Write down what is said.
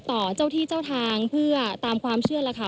ต่อเจ้าที่เจ้าทางเพื่อตามความเชื่อแล้วค่ะ